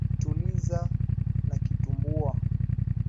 Tuliza na kitumbua.